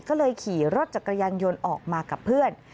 ก็เลยขี่รถจักรยานยนต์ออกมากับเพื่อน